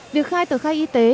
việc khai tờ khai y tế